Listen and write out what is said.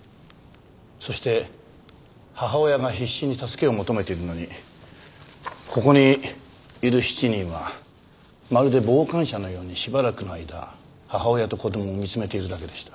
そして母親が必死に助けを求めているのにここにいる７人はまるで傍観者のようにしばらくの間母親と子供を見つめているだけでした。